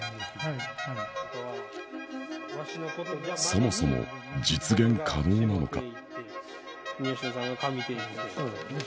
そもそも実現可能なのか？